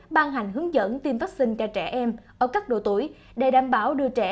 ban hành hướng dẫn tiêm vaccine cho trẻ em ở các độ tuổi để đảm bảo đưa trẻ